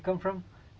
kamu dari mana